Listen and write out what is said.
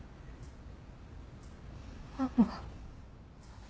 ママ。